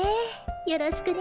よろしくね。